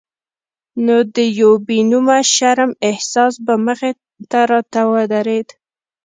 نو د یو بې نومه شرم احساس به مخې ته راته ودرېد.